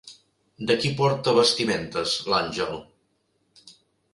De qui porta vestimentes l'àngel?